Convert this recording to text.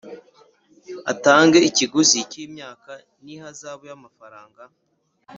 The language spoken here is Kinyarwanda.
Atange ikiguzi cy’imyaka n’ihazabu y’amafaranga